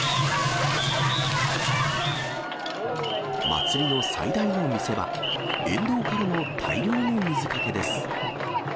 祭りの最大の見せ場、沿道からの大量の水かけです。